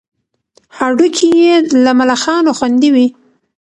هډوکي یې له ملخانو خوندي وي.